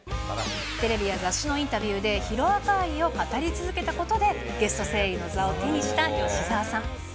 テレビや雑誌のインタビューで、ヒロアカ愛を語り続けたことで、ゲスト声優の座を手にした吉沢さん。